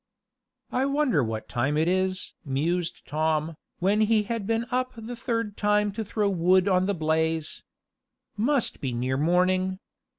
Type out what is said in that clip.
"I wonder what time it is?" mused Tom, when he had been up the third time to throw wood on the blaze. "Must be near morning."